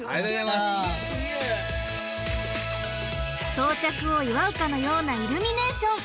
到着を祝うかのようなイルミネーション！